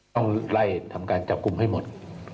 ต้องไล่ทำการจับกลุ่มให้หมด